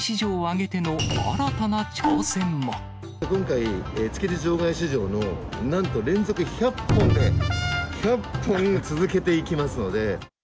今回、築地場外市場の、なんと連続１００、１００本続けていきますので。